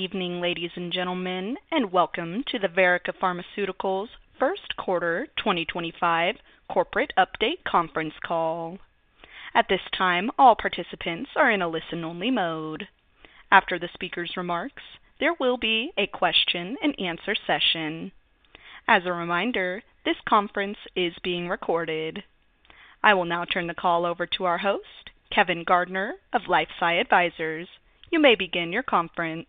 Evening, ladies and gentlemen, and welcome to the Verrica Pharmaceuticals First Quarter 2025 Corporate Update Conference Call. At this time, all participants are in a listen-only mode. After the speaker's remarks, there will be a question-and-answer session. As a reminder, this conference is being recorded. I will now turn the call over to our host, Kevin Gardner of LifeSci Advisors. You may begin your conference.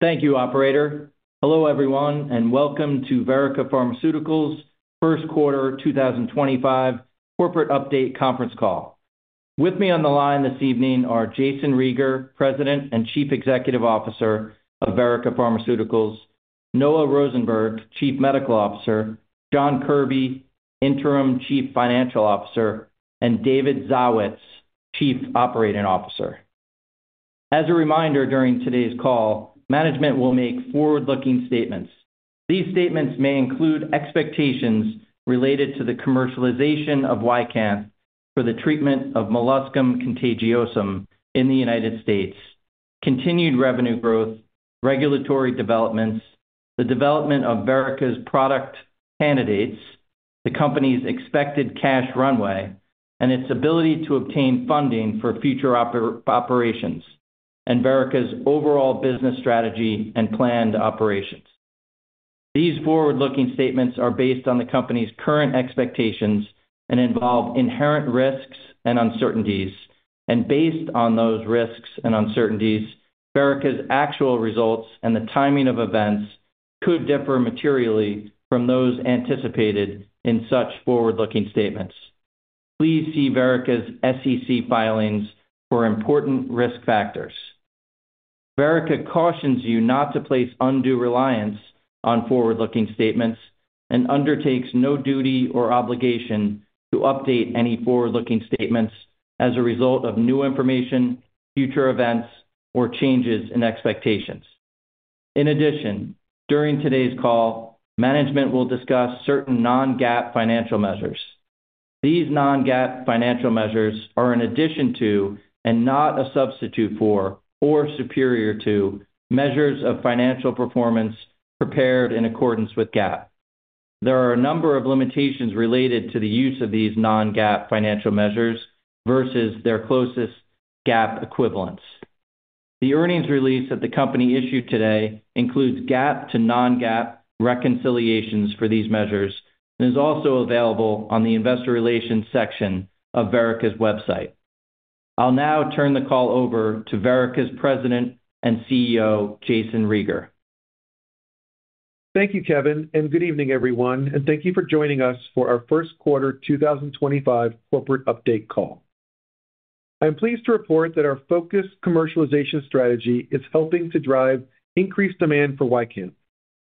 Thank you, Operator. Hello, everyone, and welcome to Verrica Pharmaceuticals' First Quarter 2025 Corporate Update Conference Call. With me on the line this evening are Jayson Rieger, President and Chief Executive Officer of Verrica Pharmaceuticals; Noah Rosenberg, Chief Medical Officer; John Kirby, Interim Chief Financial Officer; and David Zawitz, Chief Operating Officer. As a reminder, during today's call, management will make forward-looking statements. These statements may include expectations related to the commercialization of YCANTH for the treatment of molluscum contagiosum in the United States, continued revenue growth, regulatory developments, the development of Verrica's product candidates, the company's expected cash runway, and its ability to obtain funding for future operations, and Verrica's overall business strategy and planned operations. These forward-looking statements are based on the company's current expectations and involve inherent risks and uncertainties. Based on those risks and uncertainties, Verrica's actual results and the timing of events could differ materially from those anticipated in such forward-looking statements. Please see Verrica's SEC filings for important risk factors. Verrica cautions you not to place undue reliance on forward-looking statements and undertakes no duty or obligation to update any forward-looking statements as a result of new information, future events, or changes in expectations. In addition, during today's call, management will discuss certain non-GAAP financial measures. These non-GAAP financial measures are an addition to, and not a substitute for, or superior to, measures of financial performance prepared in accordance with GAAP. There are a number of limitations related to the use of these non-GAAP financial measures versus their closest GAAP equivalents. The earnings release that the company issued today includes GAAP to non-GAAP reconciliations for these measures and is also available on the Investor Relations section of Verrica's website. I'll now turn the call over to Verrica's President and CEO, Jayson Rieger. Thank you, Kevin, and good evening, everyone, and thank you for joining us for our First Quarter 2025 Corporate Update Call. I'm pleased to report that our focused commercialization strategy is helping to drive increased demand for YCANTH.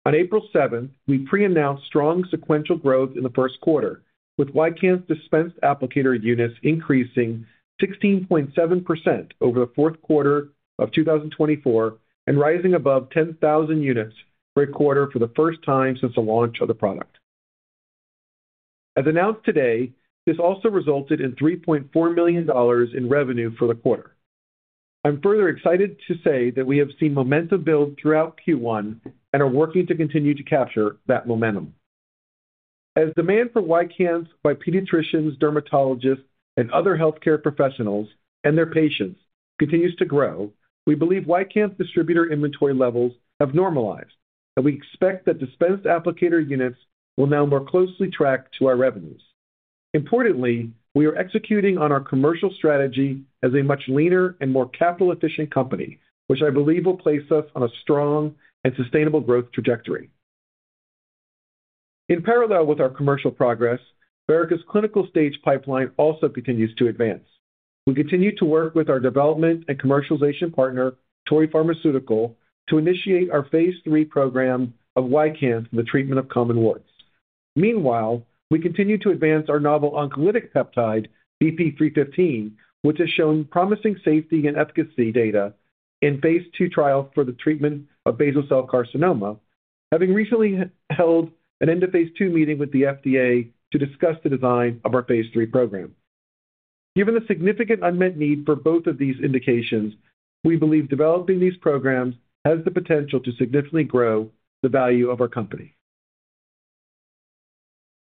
On April 7th, we pre-announced strong sequential growth in the first quarter, with YCANTH's dispensed applicator units increasing 16.7% over the fourth quarter of 2024 and rising above 10,000 units per quarter for the first time since the launch of the product. As announced today, this also resulted in $3.4 million in revenue for the quarter. I'm further excited to say that we have seen momentum build throughout Q1 and are working to continue to capture that momentum. As demand for YCANTH by pediatricians, dermatologists, and other healthcare professionals, and their patients, continues to grow, we believe YCANTH's distributor invenTorii levels have normalized, and we expect that dispensed applicator units will now more closely track to our revenues. Importantly, we are executing on our commercial strategy as a much leaner and more capital-efficient company, which I believe will place us on a strong and sustainable growth trajectory. In parallel with our commercial progress, Verrica's clinical stage pipeline also continues to advance. We continue to work with our development and commercialization partner, Torii Pharmaceutical, to initiate our phase III program of YCANTH for the treatment of common warts. Meanwhile, we continue to advance our novel oncolytic peptide, VP-315, which has shown promising safety and efficacy data in phase II trials for the treatment of basal cell carcinoma, having recently held an end-of-phase II meeting with the FDA to discuss the design of our phase III program. Given the significant unmet need for both of these indications, we believe developing these programs has the potential to significantly grow the value of our company.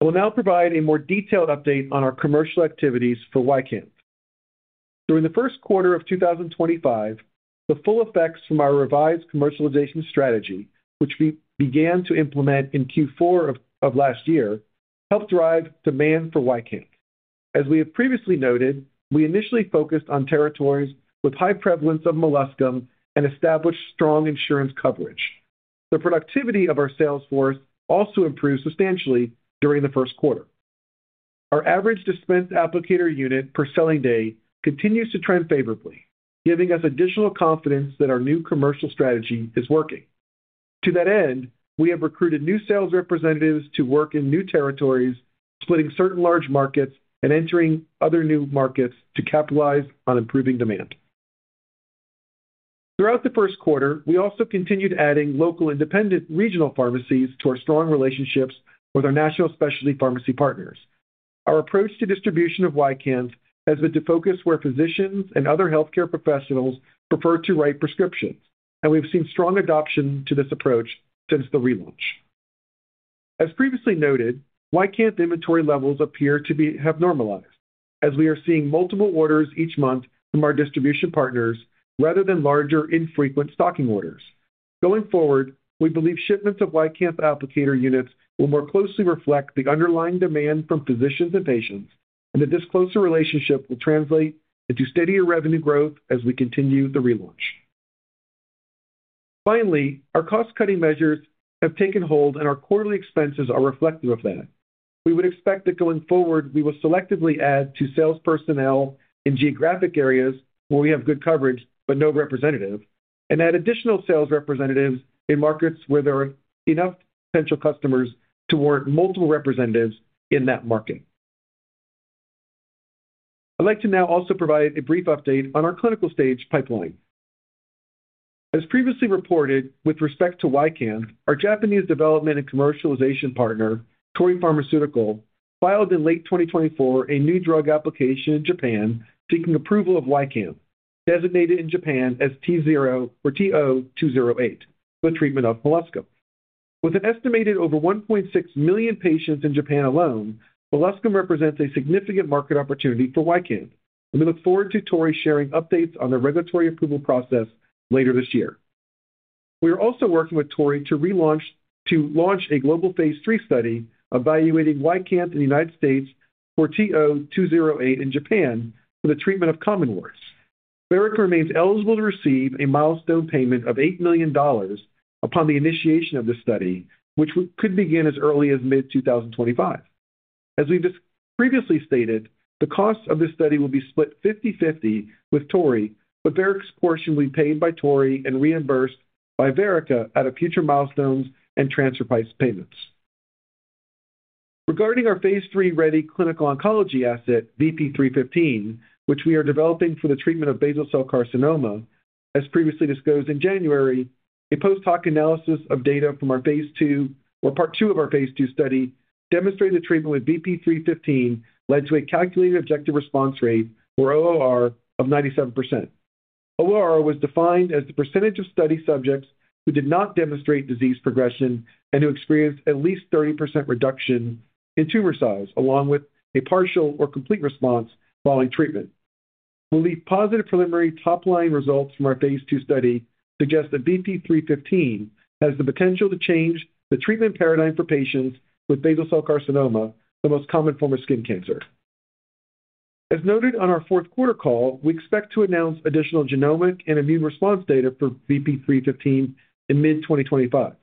I will now provide a more detailed update on our commercial activities for YCANTH. During the first quarter of 2025, the full effects from our revised commercialization strategy, which we began to implement in Q4 of last year, helped drive demand for YCANTH. As we have previously noted, we initially focused on territories with high prevalence of molluscum and established strong insurance coverage. The productivity of our sales force also improved substantially during the first quarter. Our average dispensed applicator unit per selling day continues to trend favorably, giving us additional confidence that our new commercial strategy is working. To that end, we have recruited new sales representatives to work in new territories, splitting certain large markets and entering other new markets to capitalize on improving demand. Throughout the first quarter, we also continued adding local independent regional pharmacies to our strong relationships with our national specialty pharmacy partners. Our approach to distribution of YCANTH has been to focus where physicians and other healthcare professionals prefer to write prescriptions, and we've seen strong adoption to this approach since the relaunch. As previously noted, YCANTH invenTorii levels appear to have normalized, as we are seeing multiple orders each month from our distribution partners rather than larger, infrequent stocking orders. Going forward, we believe shipments of YCANTH applicator units will more closely reflect the underlying demand from physicians and patients, and that this closer relationship will translate into steadier revenue growth as we continue the relaunch. Finally, our cost-cutting measures have taken hold, and our quarterly expenses are reflective of that. We would expect that going forward, we will selectively add to sales personnel in geographic areas where we have good coverage but no representative, and add additional sales representatives in markets where there are enough potential customers to warrant multiple representatives in that market. I'd like to now also provide a brief update on our clinical stage pipeline. As previously reported, with respect to YCANTH, our Japanese development and commercialization partner, Torii Pharmaceutical, filed in late 2024 a new drug application in Japan seeking approval of YCANTH, designated in Japan as TO-208 for the treatment of molluscum. With an estimated over 1.6 million patients in Japan alone, molluscum represents a significant market opportunity for YCANTH, and we look forward to Torii sharing updates on the regulatory approval process later this year. We are also working with Torii to launch a global phase III study evaluating YCANTH in the United States for TO-208 in Japan for the treatment of common warts. Verrica remains eligible to receive a milestone payment of $8 million upon the initiation of this study, which could begin as early as mid-2025. As we've previously stated, the cost of this study will be split 50/50 with Torii, but Verrica's portion will be paid by Torii and reimbursed by Verrica at a future milestone and transfer price payments. Regarding our phase III-ready clinical oncology asset, VP-315, which we are developing for the treatment of basal cell carcinoma, as previously disclosed in January, a post-hoc analysis of data from our phase II, or part two of our phase II study, demonstrated that treatment with VP-315 led to a calculated objective response rate, or ORR, of 97%. ORR was defined as the percentage of study subjects who did not demonstrate disease progression and who experienced at least 30% reduction in tumor size, along with a partial or complete response following treatment. We believe positive preliminary top-line results from our phase II study suggest that VP-315 has the potential to change the treatment paradigm for patients with basal cell carcinoma, the most common form of skin cancer. As noted on our fourth quarter call, we expect to announce additional genomic and immune response data for VP-315 in mid-2025.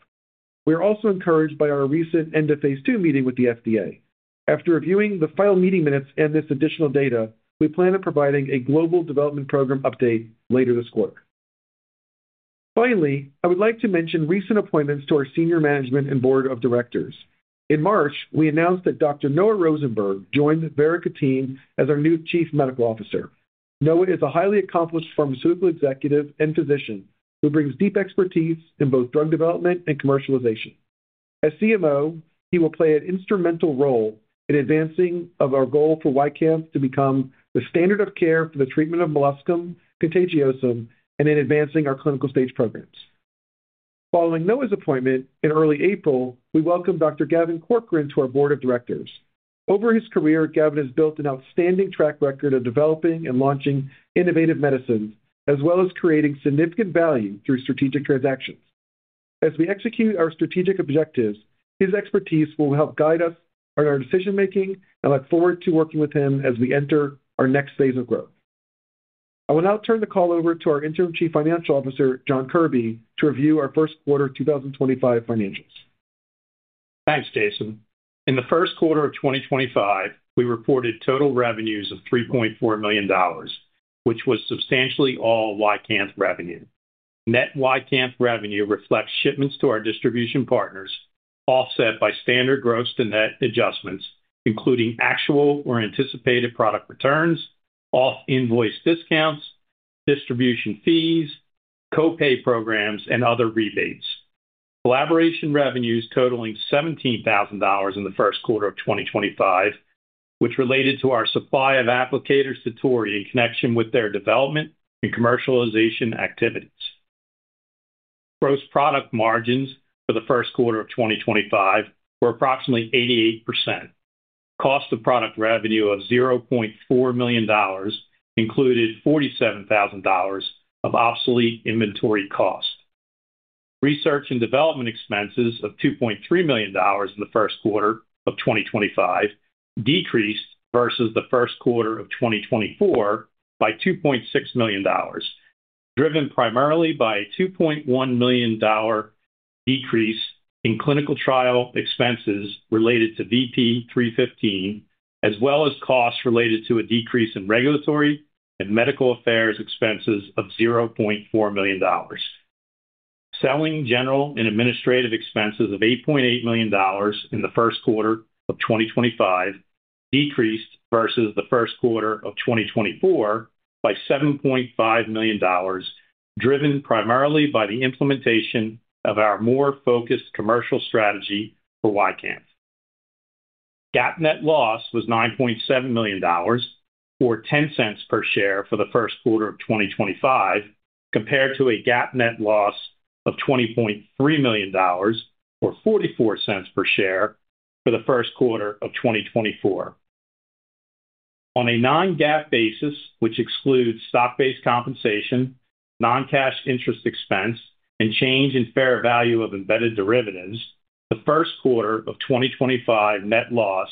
We are also encouraged by our recent end-of-phase II meeting with the FDA. After reviewing the final meeting minutes and this additional data, we plan on providing a global development program update later this quarter. Finally, I would like to mention recent appointments to our senior management and board of directors. In March, we announced that Dr. Noah Rosenberg joined the Verrica team as our new Chief Medical Officer. Noah is a highly accomplished pharmaceutical executive and physician who brings deep expertise in both drug development and commercialization. As CMO, he will play an instrumental role in advancing our goal for YCANTH to become the standard of care for the treatment of molluscum contagiosum and in advancing our clinical stage programs. Following Noah's appointment in early April, we welcomed Dr. Gavin Corcoran to our board of directors. Over his career, Gavin has built an outstanding track record of developing and launching innovative medicines, as well as creating significant value through strategic transactions. As we execute our strategic objectives, his expertise will help guide us in our decision-making, and I look forward to working with him as we enter our next phase of growth. I will now turn the call over to our Interim Chief Financial Officer, John Kirby, to review our first quarter 2025 financials. Thanks, Jayson. In the first quarter of 2025, we reported total revenues of $3.4 million, which was substantially all YCANTH revenue. Net YCANTH revenue reflects shipments to our distribution partners, offset by standard gross-to-net adjustments, including actual or anticipated product returns, off-invoice discounts, distribution fees, Co-Pay programs, and other rebates. Collaboration revenues totaling $17,000 in the first quarter of 2025, which related to our supply of applicators to Torii in connection with their development and commercialization activities. Gross product margins for the first quarter of 2025 were approximately 88%. Cost-to-product revenue of $0.4 million included $47,000 of obsolete inventory cost. Research and development expenses of $2.3 million in the first quarter of 2025 decreased versus the first quarter of 2024 by $2.6 million, driven primarily by a $2.1 million decrease in clinical trial expenses related to VP-315, as well as costs related to a decrease in regulatory and medical affairs expenses of $0.4 million. Selling, general, and administrative expenses of $8.8 million in the first quarter of 2025 decreased versus the first quarter of 2024 by $7.5 million, driven primarily by the implementation of our more focused commercial strategy for YCANTH. GAAP net loss was $9.7 million, or $0.10 per share for the first quarter of 2025, compared to a GAAP net loss of $20.3 million, or $0.44 per share for the first quarter of 2024. On a non-GAAP basis, which excludes stock-based compensation, non-cash interest expense, and change in fair value of embedded derivatives, the first quarter of 2025 net loss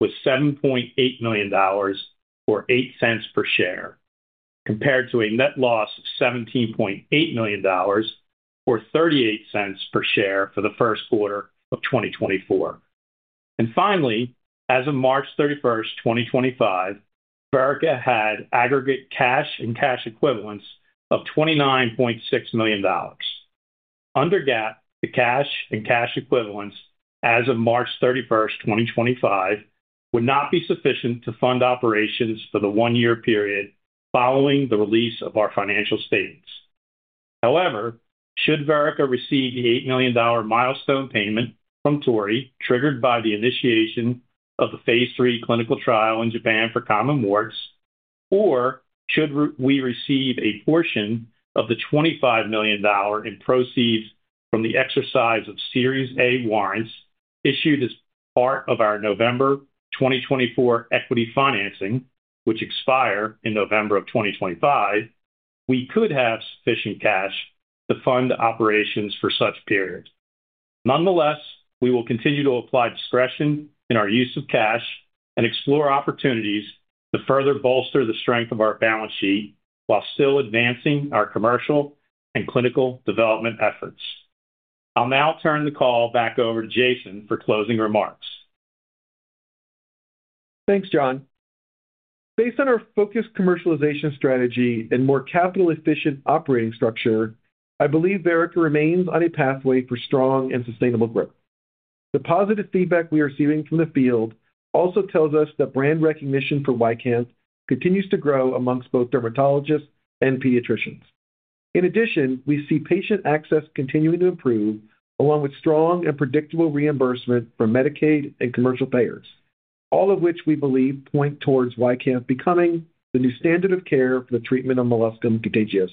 was $7.8 million, or $0.08 per share, compared to a net loss of $17.8 million, or $0.38 per share for the first quarter of 2024. Finally, as of March 31st, 2025, Verrica had aggregate cash and cash equivalents of $29.6 million. Under GAAP, the cash and cash equivalents as of March 31st, 2025, would not be sufficient to fund operations for the one-year period following the release of our financial statements. However, should Verrica receive the $8 million milestone payment from Torii triggered by the initiation of the phase III clinical trial in Japan for common warts, or should we receive a portion of the $25 million in proceeds from the exercise of Series A warrants issued as part of our November 2024 equity financing, which expire in November of 2025, we could have sufficient cash to fund operations for such period. Nonetheless, we will continue to apply discretion in our use of cash and explore opportunities to further bolster the strength of our balance sheet while still advancing our commercial and clinical development efforts. I'll now turn the call back over to Jayson for closing remarks. Thanks, John. Based on our focused commercialization strategy and more capital-efficient operating structure, I believe Verrica remains on a pathway for strong and sustainable growth. The positive feedback we are receiving from the field also tells us that brand recognition for YCANTH continues to grow amongst both dermatologists and pediatricians. In addition, we see patient access continuing to improve, along with strong and predictable reimbursement from Medicaid and commercial payers, all of which we believe point towards YCANTH becoming the new standard of care for the treatment of molluscum contagiosum.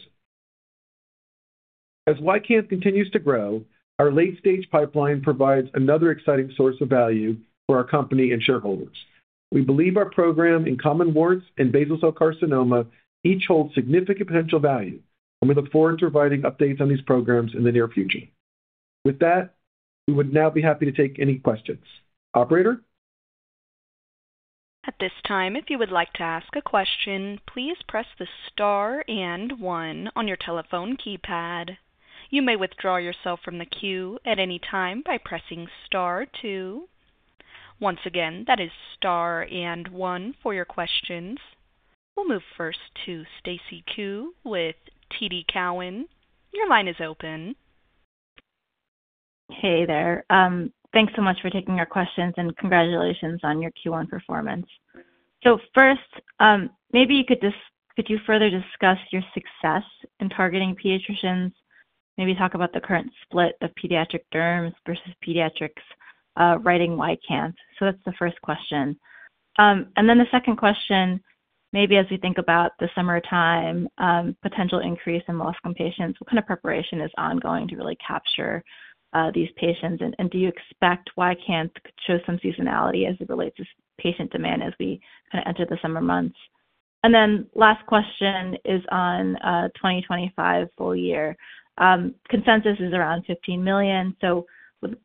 As YCANTH continues to grow, our late-stage pipeline provides another exciting source of value for our company and shareholders. We believe our program in common warts and basal cell carcinoma each hold significant potential value, and we look forward to providing updates on these programs in the near future. With that, we would now be happy to take any questions. Operator? At this time, if you would like to ask a question, please press the star and one on your telephone keypad. You may withdraw yourself from the queue at any time by pressing star two. Once again, that is star and one for your questions. We'll move first to Stacy Ku with TD Cowen. Your line is open. Hey there. Thanks so much for taking our questions, and congratulations on your Q1 performance. First, maybe you could just further discuss your success in targeting pediatricians, maybe talk about the current split of pediatric derms versus pediatrics writing YCANTH. That's the first question. The second question, maybe as we think about the summertime potential increase in molluscum patients, what kind of preparation is ongoing to really capture these patients? Do you expect YCANTH to show some seasonality as it relates to patient demand as we kind of enter the summer months? The last question is on 2025 full year. Consensus is around $15 million, so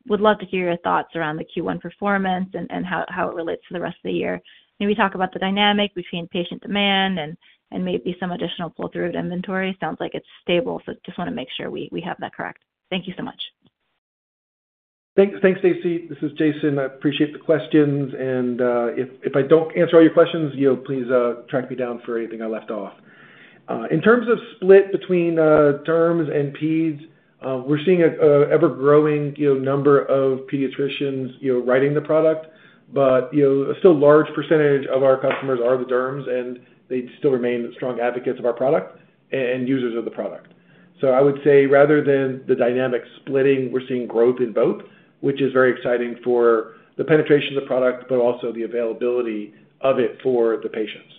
we'd love to hear your thoughts around the Q1 performance and how it relates to the rest of the year. Maybe talk about the dynamic between patient demand and maybe some additional pull-through inventory. Sounds like it's stable, so just want to make sure we have that correct. Thank you so much. Thanks, Stacy. This is Jayson. I appreciate the questions. If I do not answer all your questions, please track me down for anything I left off. In terms of split between derms and peds, we are seeing an ever-growing number of pediatricians writing the product, but a still large percentage of our customers are the derms, and they still remain strong advocates of our product and users of the product. I would say rather than the dynamic splitting, we are seeing growth in both, which is very exciting for the penetration of the product, but also the availability of it for the patients.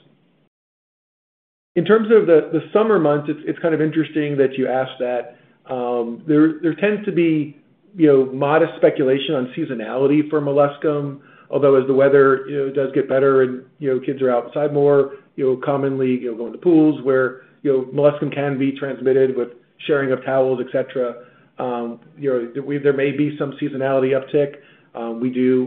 In terms of the summer months, it is kind of interesting that you asked that. There tends to be modest speculation on seasonality for molluscum, although as the weather does get better and kids are outside more, commonly going to pools where molluscum can be transmitted with sharing of towels, et cetera, there may be some seasonality uptick.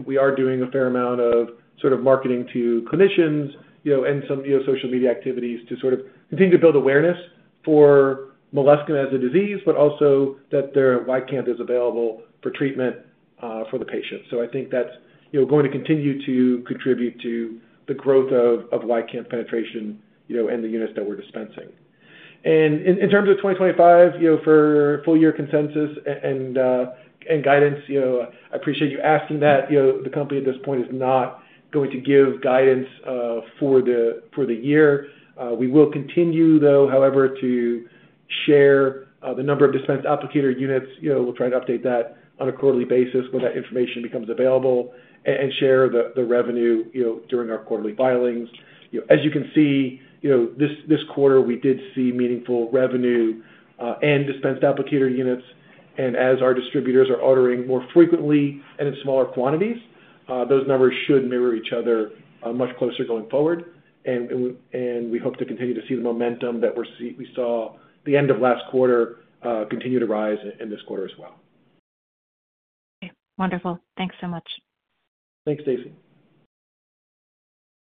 We are doing a fair amount of sort of marketing to clinicians and some social media activities to sort of continue to build awareness for molluscum as a disease, but also that YCANTH is available for treatment for the patients. I think that's going to continue to contribute to the growth of YCANTH penetration and the units that we're dispensing. In terms of 2025, for full-year consensus and guidance, I appreciate you asking that. The company at this point is not going to give guidance for the year. We will continue, though, however, to share the number of dispensed applicator units. We'll try to update that on a quarterly basis when that information becomes available and share the revenue during our quarterly filings. As you can see, this quarter, we did see meaningful revenue and dispensed applicator units. As our distributors are ordering more frequently and in smaller quantities, those numbers should mirror each other much closer going forward. We hope to continue to see the momentum that we saw the end of last quarter continue to rise in this quarter as well. Okay. Wonderful. Thanks so much. Thanks, Stacy.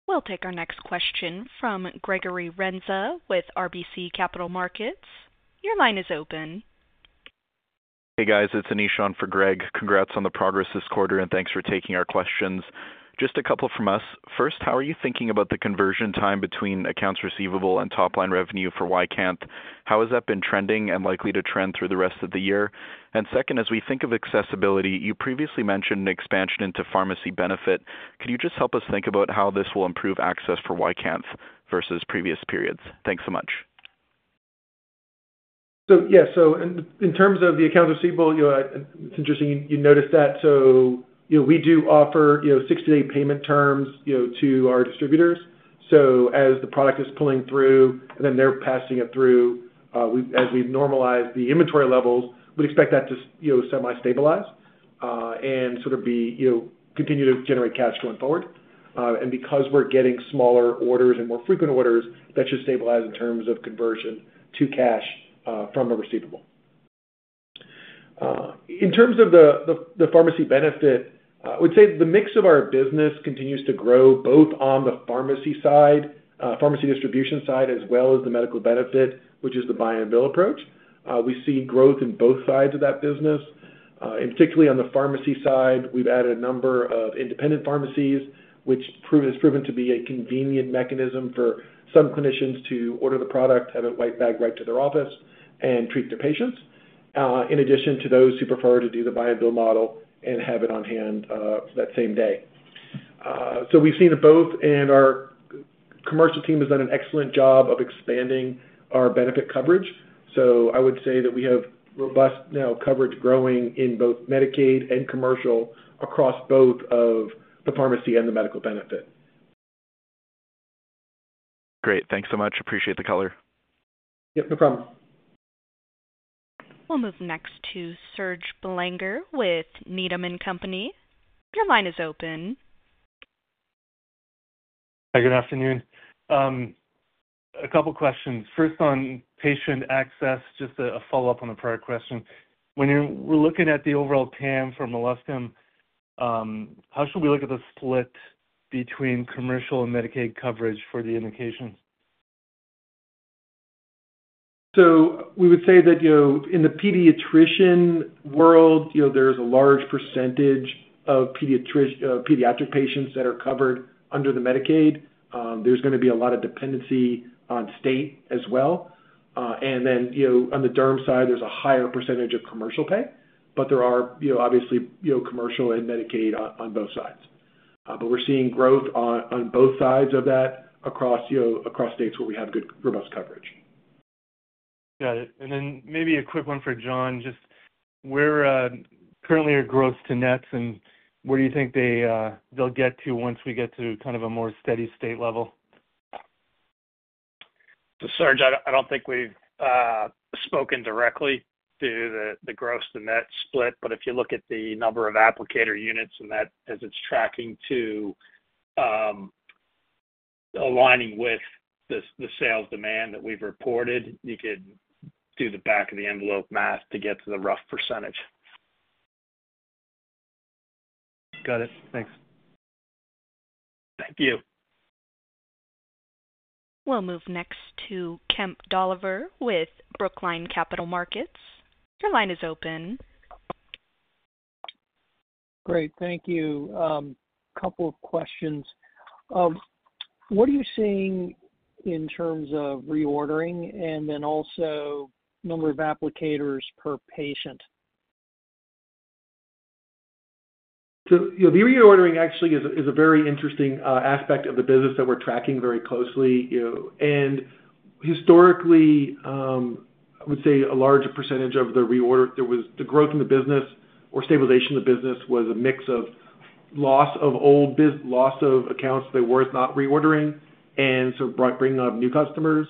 We'll take our next question from Gregory Renza with RBC Capital Markets. Your line is open. Hey, guys. It's Anishan for Greg. Congrats on the progress this quarter, and thanks for taking our questions. Just a couple from us. First, how are you thinking about the conversion time between accounts receivable and top-line revenue for YCANTH? How has that been trending and likely to trend through the rest of the year? Second, as we think of accessibility, you previously mentioned an expansion into pharmacy benefit. Could you just help us think about how this will improve access for YCANTH versus previous periods? Thanks so much. Yeah, in terms of the accounts receivable, it's interesting you noticed that. We do offer 60-day payment terms to our distributors. As the product is pulling through and then they're passing it through, as we've normalized the inventory levels, we'd expect that to semi-stabilize and sort of continue to generate cash going forward. Because we're getting smaller orders and more frequent orders, that should stabilize in terms of conversion to cash from a receivable. In terms of the pharmacy benefit, I would say the mix of our business continues to grow both on the pharmacy side, pharmacy distribution side, as well as the medical benefit, which is the buy-and-bill approach. We see growth in both sides of that business. Particularly on the pharmacy side, we have added a number of independent pharmacies, which has proven to be a convenient mechanism for some clinicians to order the product, have it white-bagged right to their office, and treat their patients, in addition to those who prefer to do the buy-and-bill model and have it on hand that same day. We have seen both, and our commercial team has done an excellent job of expanding our benefit coverage. I would say that we have robust now coverage growing in both Medicaid and commercial across both of the pharmacy and the medical benefit. Great. Thanks so much. Appreciate the color. Yep, no problem. We'll move next to Serge Belanger with Needham & Company. Your line is open. Hi, good afternoon. A couple of questions. First, on patient access, just a follow-up on the prior question. When we're looking at the overall PAM for molluscum, how should we look at the split between commercial and Medicaid coverage for the indication? We would say that in the pediatrician world, there's a large percentage of pediatric patients that are covered under Medicaid. There's going to be a lot of dependency on state as well. On the derm side, there's a higher percentage of commercial pay, but there are obviously commercial and Medicaid on both sides. We're seeing growth on both sides of that across states where we have good robust coverage. Got it. And then maybe a quick one for John. Just where currently are gross to nets and where do you think they'll get to once we get to kind of a more steady state level? Serge, I don't think we've spoken directly to the gross to net split, but if you look at the number of applicator units and that as it's tracking to aligning with the sales demand that we've reported, you could do the back-of-the-envelope math to get to the rough percentage. Got it. Thanks. Thank you. We'll move next to Kemp Dollaver with Brookline Capital Markets. Your line is open. Great. Thank you. A couple of questions. What are you seeing in terms of reordering and then also number of applicators per patient? The reordering actually is a very interesting aspect of the business that we're tracking very closely. Historically, I would say a large percentage of the growth in the business or stabilization of the business was a mix of loss of [old bus.] loss of accounts that were not reordering and bringing up new customers.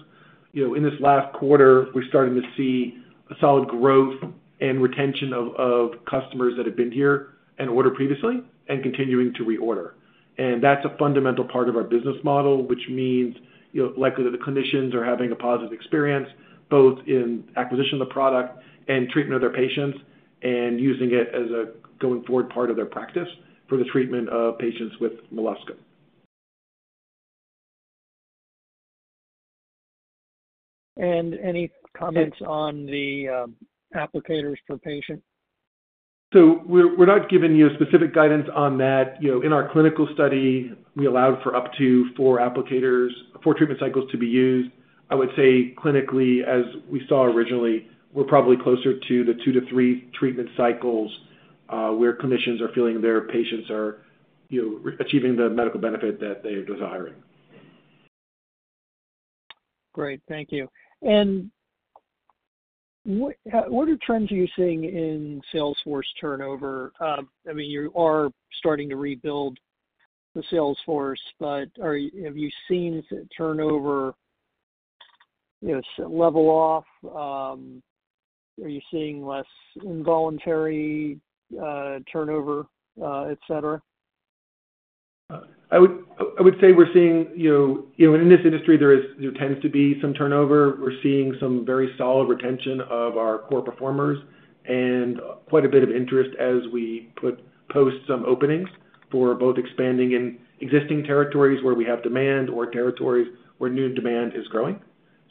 In this last quarter, we're starting to see a solid growth and retention of customers that have been here and ordered previously and continuing to reorder. That's a fundamental part of our business model, which means likely that the clinicians are having a positive experience both in acquisition of the product and treatment of their patients and using it as a going-forward part of their practice for the treatment of patients with molluscum. Any comments on the applicators per patient? We're not giving you specific guidance on that. In our clinical study, we allowed for up to four applicators, four treatment cycles to be used. I would say clinically, as we saw originally, we're probably closer to the two-three treatment cycles where clinicians are feeling their patients are achieving the medical benefit that they are desiring. Great. Thank you. What are trends you're seeing in sales force turnover? I mean, you are starting to rebuild the sales force, but have you seen turnover level off? Are you seeing less involuntary turnover, etc.? I would say we're seeing in this industry, there tends to be some turnover. We're seeing some very solid retention of our core performers and quite a bit of interest as we post some openings for both expanding in existing territories where we have demand or territories where new demand is growing.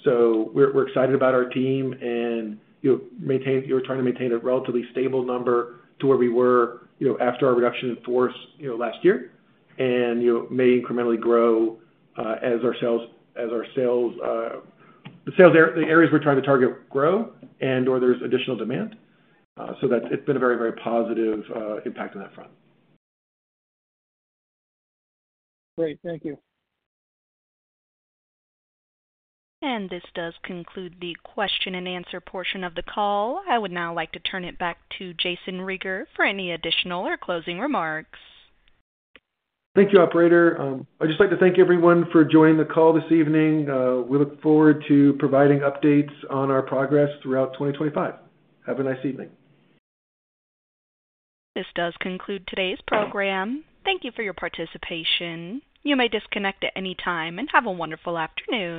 We're excited about our team and we're trying to maintain a relatively stable number to where we were after our reduction in force last year and may incrementally grow as our sales, the areas we're trying to target, grow and/or there's additional demand. It's been a very, very positive impact on that front. Great. Thank you. This does conclude the question-and-answer portion of the call. I would now like to turn it back to Jayson Rieger for any additional or closing remarks. Thank you, Operator. I'd just like to thank everyone for joining the call this evening. We look forward to providing updates on our progress throughout 2025. Have a nice evening. This does conclude today's program. Thank you for your participation. You may disconnect at any time and have a wonderful afternoon.